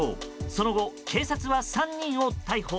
その後、警察は３人を逮捕。